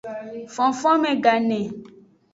Fonfonme gane.